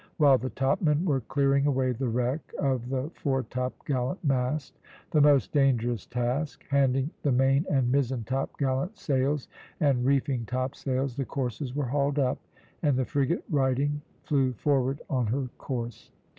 While the topmen were clearing away the wreck of the fore topgallant mast, the most dangerous task, handing the main and mizen topgallant sails, and reefing topsails, the courses were hauled up, and the frigate righting flew forward on her course.